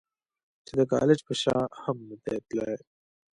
چې د کالج پۀ شا هم نۀ دي تلي -